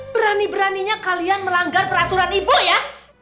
berani beraninya kalian melanggar peraturan ibu ya